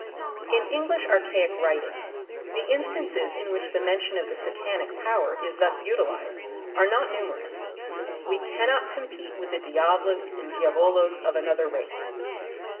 In English archaic writings the instances in which the mention of the Satanic power is thus utilised are not numerous. We cannot compete with the diables and diavolos of another race.